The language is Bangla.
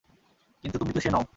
কিন্তু তুমি তো সে নও।